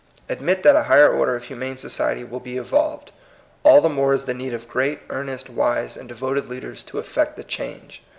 Admit that a higher order of humane society will be evolved. All the moi e is the need of great, earnest, wise, and devoted leaders to effect the change.